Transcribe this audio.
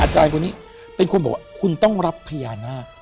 อาจารย์คนนี้เป็นคนบอกว่าคุณต้องรับพญานาค